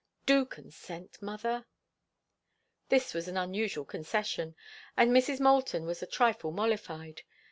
Do consent, mother." This was an unusual concession, and Mrs. Moulton was a trifle mollified.